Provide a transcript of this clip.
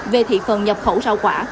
về thị phần nhập khẩu rau quả